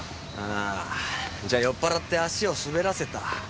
ああじゃ酔っ払って足を滑らせた。